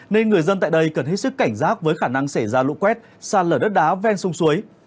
nên người dân tại đây cần hết sức cảnh giác với khả năng xảy ra lũ quét xa lở đất đá ven sông suối